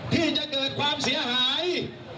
ที่จะเกิดความเสียหาย